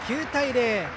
９対０。